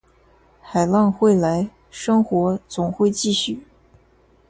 海浪会来，生活总会继续